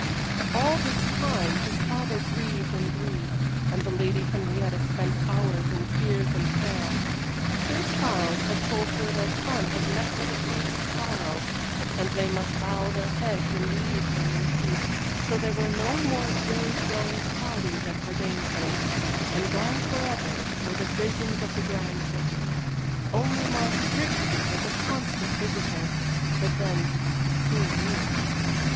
All this time his father grieved and grieved, and the Lady Henrietta spent hours in tears and prayer. Sir Charles had told her their son had met with a great sorrow, and they must bow their heads and leave him in peace, so there were no more gay young parties at Verdayne Place, and gone for ever were the visions of the grandchildren. Only Mark Grigsby was a constant visitor, but then he knew.